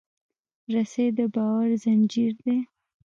رسۍ د باور زنجیر دی.